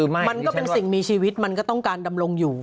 มันก็เป็นสิ่งมีชีวิตมันก็ต้องการดำรงอยู่